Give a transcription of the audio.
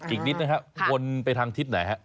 อีกนิดนะครับวนไปทางทิศไหนฮะ